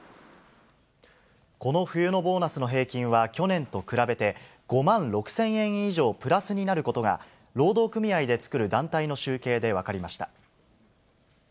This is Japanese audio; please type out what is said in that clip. この冬のボーナスの平均は去年と比べて、５万６０００円以上プラスになることが、労働組合で作る団体の集計で分かりました。